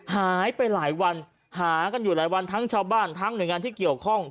หายไปหลายวันหากันอยู่หลายวันทั้งชาวบ้านทั้งหน่วยงานที่เกี่ยวข้อง